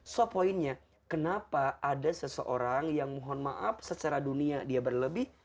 so poinnya kenapa ada seseorang yang mohon maaf secara dunia dia berlebih